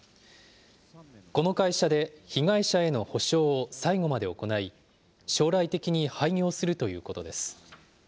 この会社で被害者への補償を最後まで行い、将来的に廃業するということです。